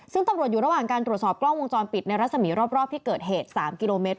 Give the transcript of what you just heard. ซึ่งตำรวจอยู่ระหว่างการตรวจสอบกล้องวงจรปิดในรัศมีร์รอบที่เกิดเหตุ๓กิโลเมตร